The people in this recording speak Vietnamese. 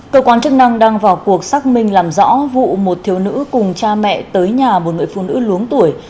cơ quan chức năng đang vào cuộc xác minh làm rõ vụ một thiếu nữ cùng cha mẹ tới nhà một người phụ nữ luống tuổi